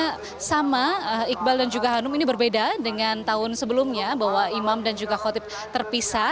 karena sama iqbal dan juga hanum ini berbeda dengan tahun sebelumnya bahwa imam dan juga khotib terpisah